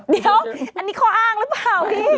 เดี๋ยวอันนี้ข้ออ้างหรือเปล่าพี่